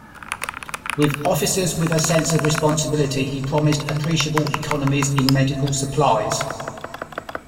With officers with a sense of responsibility he promised appreciable economies in medical supplies.